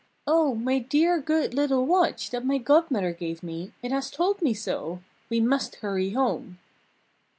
"Oh! my dear, good, little watch, that my Godmother gave me, it has told me so! We must hurry home."